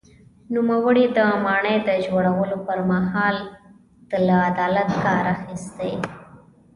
نوموړي د ماڼۍ د جوړولو پر مهال له عدالت کار اخیستی.